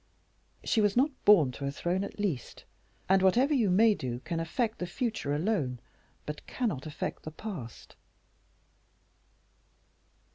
"She was not born to a throne, at least, and whatever you may do can affect the future alone, but cannot affect the past."